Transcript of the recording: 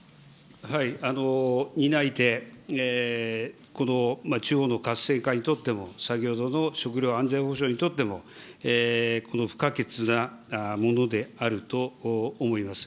担い手、この地方の活性化にとっても、先ほどの食料安全保障にとっても、不可欠なものであると思います。